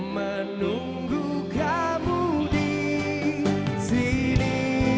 menunggu kamu disini